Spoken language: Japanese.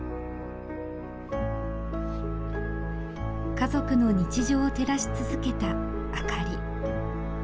家族の日常を照らし続けた明かり。